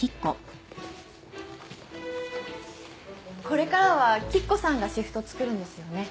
これからは吉子さんがシフト作るんですよね？